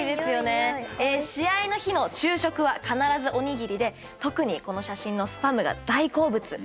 試合の日の昼食は必ずおにぎりで特にこの写真のスパムが大好物だそうです。